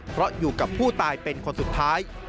เพราะอยู่กับผู้ตายเป็นคนสุดท้าย